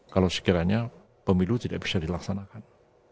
kalau sekiranya pemilu tidak bisa dilaksanakan